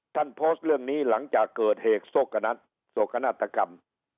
ท่านโพสต์เรื่องนี้หลังจากเกิดเหตุโศกนาฏกรรม